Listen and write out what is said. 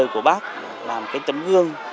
và rất thân thương